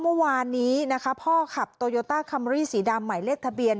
เมื่อวานนี้นะคะพ่อขับโตโยต้าคัมรี่สีดำหมายเลขทะเบียน